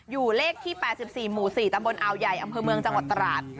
เลขที่๘๔หมู่๔ตำบลอาวใหญ่อำเภอเมืองจังหวัดตราด